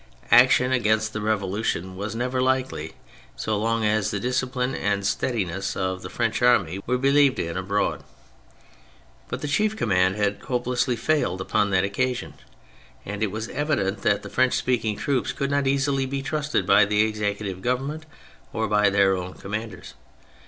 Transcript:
Action against the Revolution was never likely, so long as the discipline and steadiness of the French army were believed in abroad. But the chief command had hopelessly failed upon that occasion, and it was evident that the French speaking troops could not easily be trusted by the Executive Government or by their own commanders.